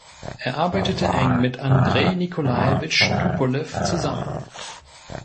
Er arbeitete eng mit Andrei Nikolajewitsch Tupolew zusammen.